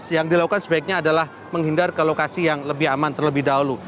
yang dilakukan sebaiknya adalah menghindar ke lokasi yang lebih aman terlebih dahulu